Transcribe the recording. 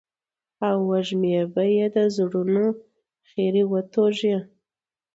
او وږمې به يې د زړونو خيري وتوږي.